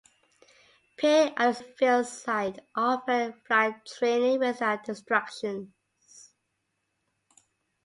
Peik Auxiliary Field site offered flight training without distractions.